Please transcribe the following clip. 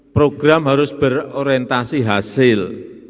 program harus berorientasi hasil